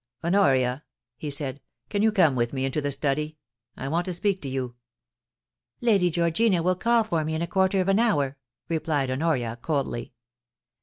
'Honoria,' he said, *can you come with me into the study? I want to speak to you.* * Lady Georgina will call for me in a quarter of an hour,* replied Honoria, coldly.